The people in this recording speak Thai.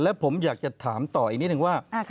และผมอยากจะถามต่ออีกนิดนึงว่า